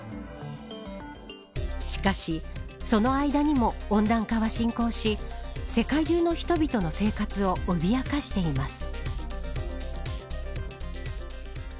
しかしその間にも温暖化は進行し世界中の人々の生活を脅かしています。